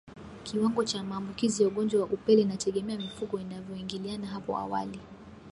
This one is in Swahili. Kiwango cha maambukizi ya ugonjwa wa upele inategemea mifugo inavyoingiliana hapo awali